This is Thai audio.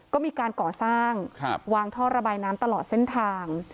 ก็มีการก่อสร้างวางท่อระบายน้ำตลอดเส้นทาง